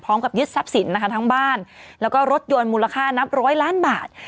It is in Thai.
ยึดทรัพย์สินนะคะทั้งบ้านแล้วก็รถยนต์มูลค่านับร้อยล้านบาท